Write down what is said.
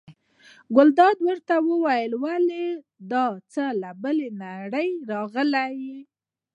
ګلداد ورته وویل: ولې دا څه له بلې نړۍ راغلي.